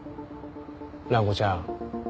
蘭子ちゃん